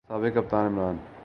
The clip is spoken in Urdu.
سابق کپتان عمران